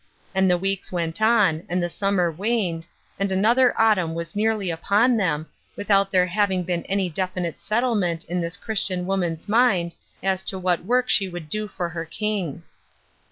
And the weeks went on, and the summer waned, and another autumn was nearly upon them, without there having been any definite settlement in this Christian woman's mind as to what work she would do for her King.